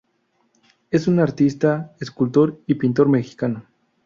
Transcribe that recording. Es un artista escultor y pintor mexicano.